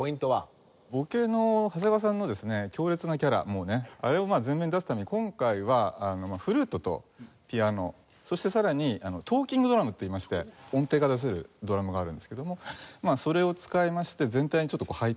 もうねあれを前面に出すために今回はフルートとピアノそしてさらにトーキングドラムっていいまして音程が出せるドラムがあるんですけどもそれを使いまして全体にちょっとハイテンション感を。